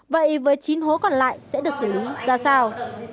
vậy với chín hố còn lại sẽ được xử lý ra sao